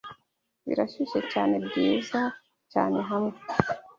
Birashyushye cyane, byiza cyane hamwe